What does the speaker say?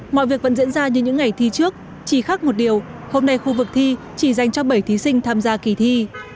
mọi việc vẫn diễn ra như những ngày thi trước chỉ khác một điều hôm nay khu vực thi chỉ dành cho bảy thí sinh tham gia kỳ thi